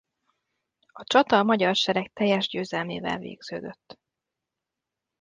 A csata a magyar sereg teljes győzelmével végződött.